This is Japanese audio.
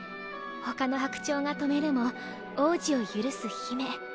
ほかの白鳥が止めるも王子を許す姫。